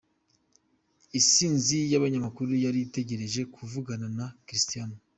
Isinzi y'abanyamakuru yari itegereje kuvugana na Cristiano.